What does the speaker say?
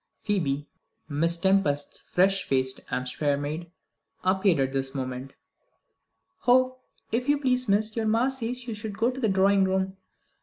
Phoebe, Miss Tempest's fresh faced Hampshire maid, appeared at this moment. "Oh, if you please, miss, your ma says would you go to the drawing room?